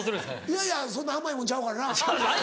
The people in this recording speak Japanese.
いやいやそんな甘いもんちゃうからな。